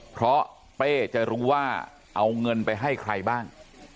เพราะเป้จะรู้ว่าเอาเงินไปให้ใครบ้าง